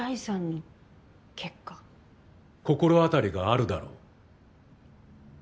心当たりがあるだろう。